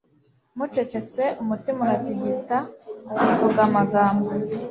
mucecetse umutima uratigita. ivuga amagambo